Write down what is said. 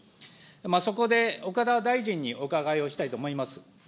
そこで岡田大臣にお伺いをしたいと思います。